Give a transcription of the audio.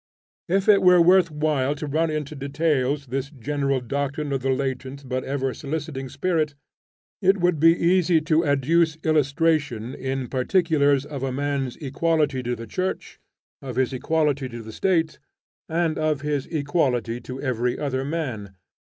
If it were worth while to run into details this general doctrine of the latent but ever soliciting Spirit, it would be easy to adduce illustration in particulars of a man's equality to the Church, of his equality to the State, and of his equality to every other man.